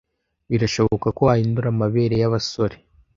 Birashoboka ko wahindura amabere yabasore,